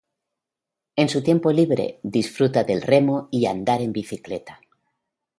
En su tiempo libre, disfruta del remo y andar en bicicleta.